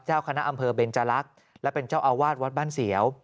เจ้าคณะอำเภอเบนจรักษ์และเป็นเจ้าอาวาสวัดบ้านเสียว